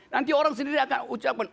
nanti orang sendiri akan ucapkan